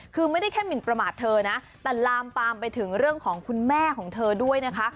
คือไม่ได้แค่หมินประมาทเธอนะแต่ลามปามไปถึงเรื่องของคุณแม่ของเธอด้วยนะคะ